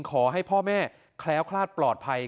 ขอให้พ่อแม่แคล้วคลาดปลอดภัย